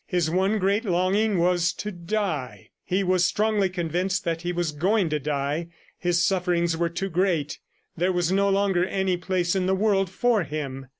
His one great longing was to die. He was strongly convinced that he was going to die; his sufferings were too great; there was no longer any place in the world for him.